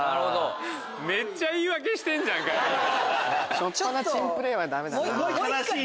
初っぱな珍プレーはダメだな。